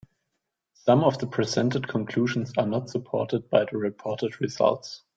Some of the presented conclusions are not supported by the reported results.